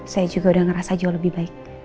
saya juga udah ngerasa jauh lebih baik